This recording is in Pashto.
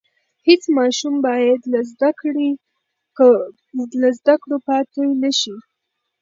هېڅ ماشوم بايد له زده کړو پاتې نشي.